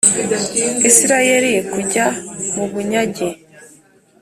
Isirayeli kujya mu bunyage